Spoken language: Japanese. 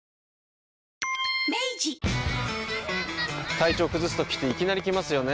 体調崩すときっていきなり来ますよね。